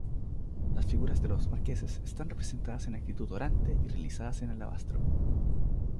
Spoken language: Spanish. Las figuras de los marqueses están representadas en actitud orante y realizadas en alabastro.